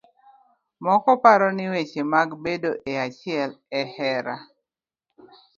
Moko paro ni weche mag bedo e achiel e hera.